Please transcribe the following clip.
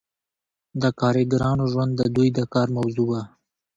د کارګرانو ژوند د دوی د کار موضوع وه.